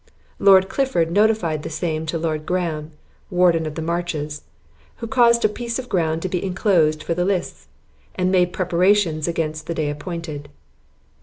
Lord Clifford notified the same to Lord Graham, warden of the marches, who caused a piece of ground to be inclosed for the lists, and made preparations against the day appointed.